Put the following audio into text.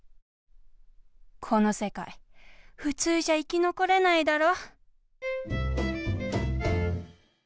この世界ふつうじゃ生きのこれないだろ？